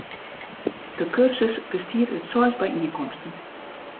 De kursus bestiet út seis byienkomsten.